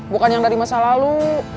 bukan yang dari masa lalu